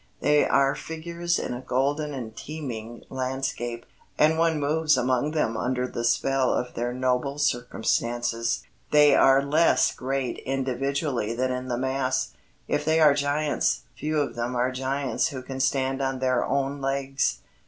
They are figures in a golden and teeming landscape, and one moves among them under the spell of their noble circumstances. They are less great individually than in the mass. If they are giants, few of them are giants who can stand on their own legs.